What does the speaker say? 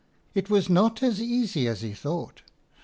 It was not as easy as he thought.